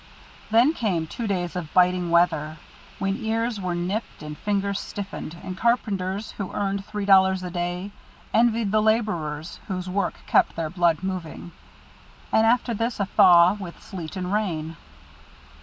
Then came two days of biting weather when ears were nipped and fingers stiffened, and carpenters who earned three dollars a day envied the laborers, whose work kept their blood moving and after this a thaw, with sleet and rain.